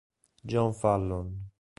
John Fallon